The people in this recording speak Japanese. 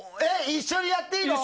一緒にやっていいの？